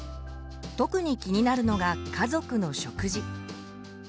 特に気になるのが家族の食事。